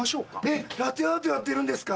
えっラテアートやってるんですか？